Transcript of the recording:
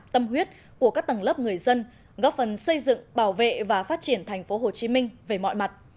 tâm huyết của các tầng lớp người dân góp phần xây dựng bảo vệ và phát triển tp hcm về mọi mặt